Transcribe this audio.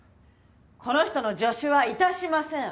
この人の助手は致しません。